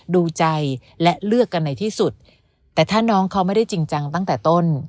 ดูใจและเลือกกันในที่สุดแต่ถ้าน้องเขาไม่ได้จริงจังตั้งแต่ต้น